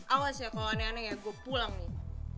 awas ya kalau aneh aneh ya gue pulang nih